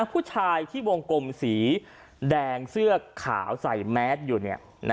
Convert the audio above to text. ผู้ชายที่วงกลมสีแดงเสื้อขาวใส่แมสอยู่